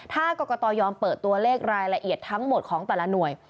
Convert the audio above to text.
ถ้ากรกตยอมเปิดตัวเลขรายละเอียดทั้งหมดของแต่ละหน่วย